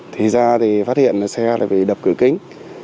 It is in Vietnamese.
thì ra thì phát hiện là xe lại bị đập cửa kính